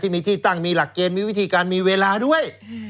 มีที่ตั้งมีหลักเกณฑ์มีวิธีการมีเวลาด้วย